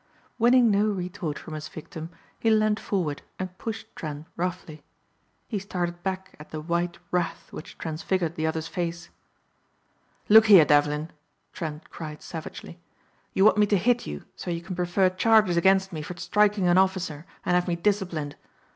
Winning no retort from his victim he leaned forward and pushed Trent roughly. He started back at the white wrath which transfigured the other's face. "Look here, Devlin," Trent cried savagely, "you want me to hit you so you can prefer charges against me for striking an officer and have me disciplined.